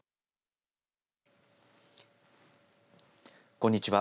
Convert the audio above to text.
こんにちは。